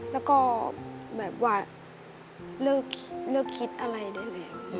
แล้วก็แบบว่าเลือกคิดอะไรได้เลย